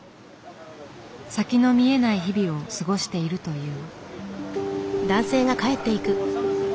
先の見えない日々を過ごしているという。